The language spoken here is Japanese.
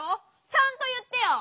ちゃんといってよ！